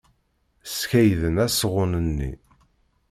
Skeyden asɣun-nni.